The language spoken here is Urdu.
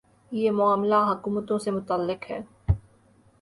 یہ معاملہ حکومتوں سے متعلق ہے۔